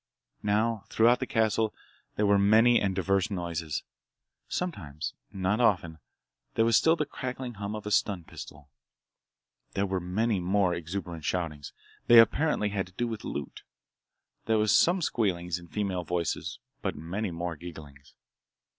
Now, throughout the castle there were many and diverse noises. Sometimes—not often—there was still the crackling hum of a stun pistol. There were many more exuberant shoutings. They apparently had to do with loot. There were some squealings in female voices, but many more gigglings.